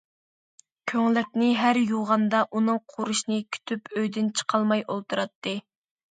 كۆڭلەكنى ھەر يۇغاندا ئۇنىڭ قۇرۇشىنى كۈتۈپ ئۆيدىن چىقالماي ئولتۇراتتى.